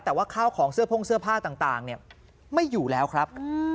แต่ว่าข้าวของเสื้อพ่งเสื้อผ้าต่างไม่อยู่แล้วครับ